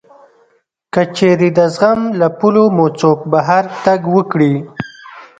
که چېرې د زغم له پولو مو څوک بهر تګ وکړي